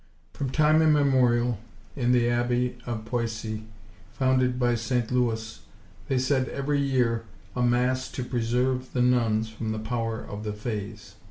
From time immemorial, in the abbey of Poissy, founded by St. Lewis, they said every year a mass to preserve the nuns from the power of the fays.